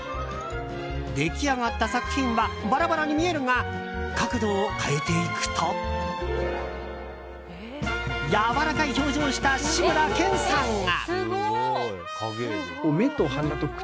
出来上がった作品はバラバラに見えるが角度を変えていくとやわらかい表情をした志村けんさんが。